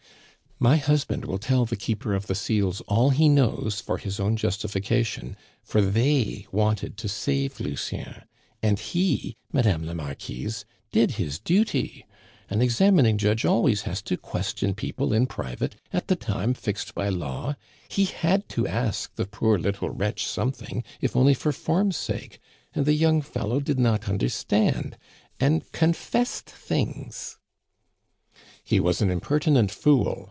"My husband will tell the Keeper of the Seals all he knows for his own justification, for they wanted to save Lucien, and he, Madame la Marquise, did his duty. An examining judge always has to question people in private at the time fixed by law! He had to ask the poor little wretch something, if only for form's sake, and the young fellow did not understand, and confessed things " "He was an impertinent fool!"